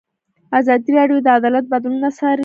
ازادي راډیو د عدالت بدلونونه څارلي.